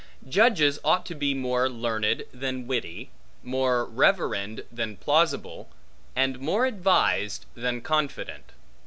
Judges ought to be more learned, than witty, more reverend, than plausible, and more advised, than confident.